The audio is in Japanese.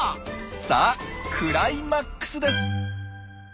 さあクライマックスです！